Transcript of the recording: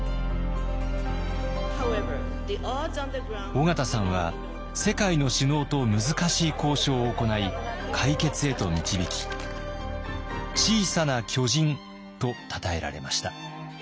緒方さんは世界の首脳と難しい交渉を行い解決へと導き「小さな巨人」とたたえられました。